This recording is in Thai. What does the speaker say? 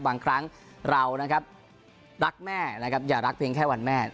บางครั้งเรานะครับรักแม่นะครับอย่ารักเพียงแค่วันแม่